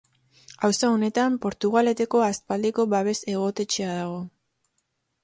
Auzo honetan Portugaleteko Aspaldiko babes-egotetxea dago.